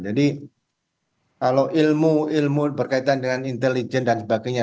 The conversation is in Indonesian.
jadi kalau ilmu ilmu berkaitan dengan intelijen dan sebagainya